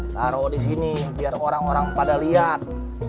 taruh disini biar orang orang pada lihat